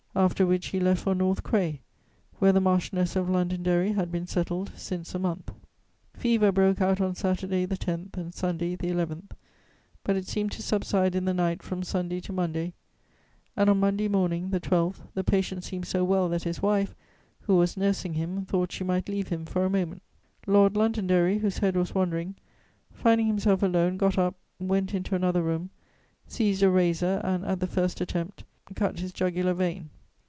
After which he left for North Cray, where the Marchioness of Londonderry had been settled since a month. Fever broke out on Saturday the 10th and Sunday the 11th; but it seemed to subside in the night from Sunday to Monday, and on Monday morning the 12th the patient seemed so well that his wife, who was nursing him, thought she might leave him for a moment. Lord Londonderry, whose head was wandering, finding himself alone, got up, went into another room, seized a razor and, at the first attempt, cut his jugular vein.